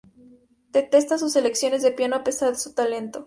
Detesta sus lecciones de piano a pesar de su talento.